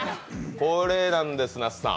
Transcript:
これなんです、那須さん。